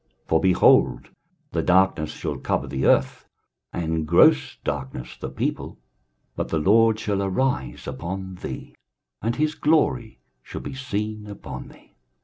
23:060:002 For, behold, the darkness shall cover the earth, and gross darkness the people: but the LORD shall arise upon thee, and his glory shall be seen upon thee.